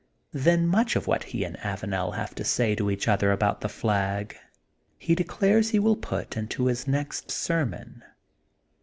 Then much of what he and Avanel have to say to each other about the flag he de clares he will put into his next sermon.